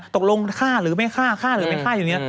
ตกลงฆ่าหรือไม่ฆ่าฆ่าหรือไม่ฆ่าอยู่เนี่ย